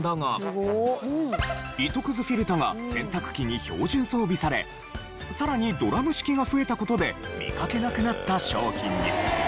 糸くずフィルタが洗濯機に標準装備されさらにドラム式が増えた事で見かけなくなった商品に。